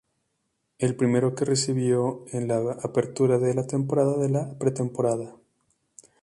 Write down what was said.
El primero que recibió en la apertura de la temporada de la pretemporada.